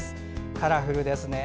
カラフルですね。